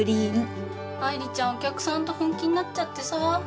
アイリちゃんお客さんと本気になっちゃってさ。